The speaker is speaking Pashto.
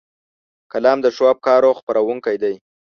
قلم د ښو افکارو خپرونکی دی